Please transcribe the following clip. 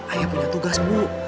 ayah punya tugas bu